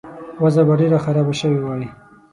وضع به ډېره خرابه شوې وای.